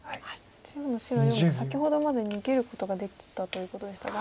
中央の白４目先ほどまで逃げることができたということでしたが。